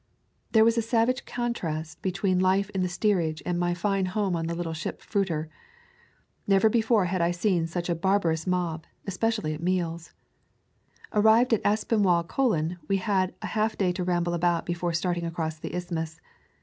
There was a savage contrast between life in the steerage and my fine home on the little ship fruiter. Never before had I seen such a barbar ous mob, especially at meals. Arrived at Aspin wall Colon, we had half a day to ramble about before starting across the Isthmus.